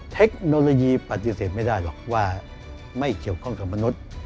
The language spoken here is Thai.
เทคโนโลยีปฏิเสธไม่ได้หรอกว่าไม่เกี่ยวข้องกับมนุษย์